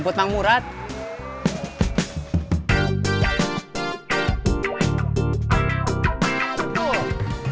pokalnya yang betul